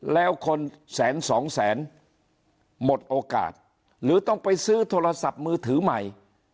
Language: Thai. แล้วคนแสนสองแสนหมดโอกาสหรือต้องไปซื้อโทรศัพท์มือถือใหม่